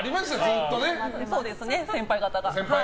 そうですね、先輩方が。